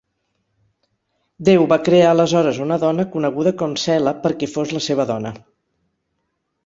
Déu va crear aleshores una dona coneguda com Sela perquè fos la seva dona.